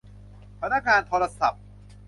พนักงานโทรศัพท์